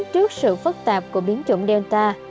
trước sự phức tạp của biến chủng delta